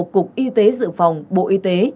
cục y tế dự phòng bộ y tế